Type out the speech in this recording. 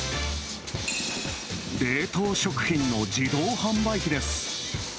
冷凍食品の自動販売機です。